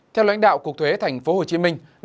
theo lãnh đạo cục thuế tp hcm